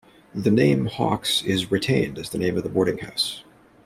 The name Hawkes is retained as the name of the boarding house.